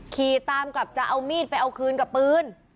ขี่ตามกลับจะเอามีดไปเอาคืนกับปืน